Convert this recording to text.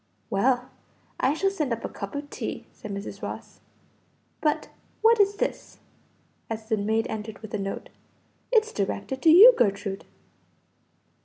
"Well, I shall send up a cup of tea," said Mrs. Ross. "But, what is this?" as the maid entered with a note. "It's directed to you, Gertrude."